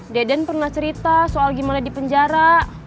deden pernah cerita soal gimana di penjara